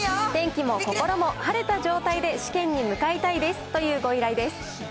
天気も心も晴れた状態で試験に向かいたいですというご依頼です。